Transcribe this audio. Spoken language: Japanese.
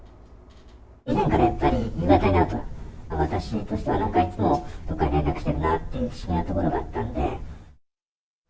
以前から夕方になると、私としては、なんかいつもどこかに連絡してるなという、不審なところがあったので。